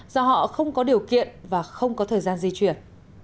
do họ không có điều kiện và không có thời gian di chuyển